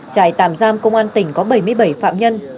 trại tạm giam công an tỉnh có bảy mươi bảy phạm nhân